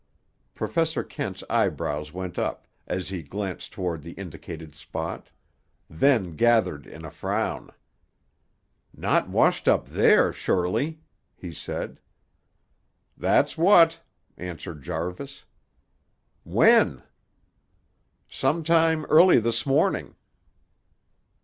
Professor Kent's eyebrows went up, as he glanced toward the indicated spot; then gathered in a frown. "Not washed up there, surely?" he said. "Thet's what," answered Jarvis. "When?" "Sometime early this morning."